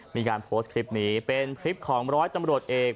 มีการโพสต์คลิปนี้เป็นคลิปของร้อยตำรวจเอก